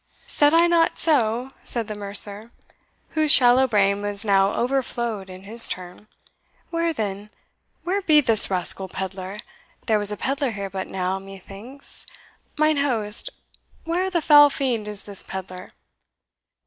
"Said I not so?" said the mercer, whose shallow brain was now overflowed in his turn; "where, then, where be this rascal pedlar? there was a pedlar here but now, methinks. Mine host, where the foul fiend is this pedlar?"